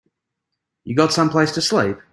You got someplace to sleep?